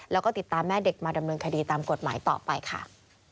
แล้วก็ติดตามแม่เด็กมาดำเนินคดีตามกฎหมายต่อไปค่ะ